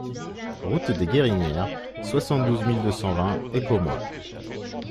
Route des Guérinières, soixante-douze mille deux cent vingt Écommoy